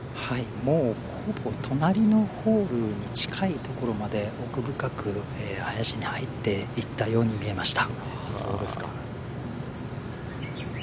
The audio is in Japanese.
もうほぼ隣のホールに近いところまで奥深く林に入っていったように見えました。